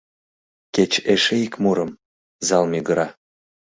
— Кеч эше ик мурым! — зал мӱгыра.